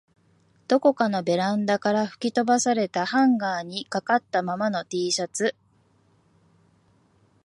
どこかのベランダから吹き飛ばされたハンガーに掛かったままの Ｔ シャツ